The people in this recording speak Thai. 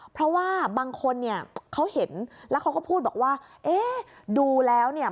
เพราะว่าบางคนเนี่ยเขาเห็นแล้วเขาก็พูดบอกว่าเอ๊ะดูแล้วเนี่ย